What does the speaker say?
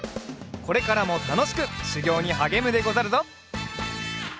これからもたのしくしゅぎょうにはげむでござるぞ。